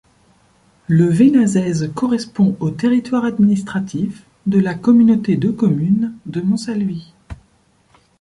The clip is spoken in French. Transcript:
Le Veinazès correspond au territoire administratif de la Communauté de communes de Montsalvy.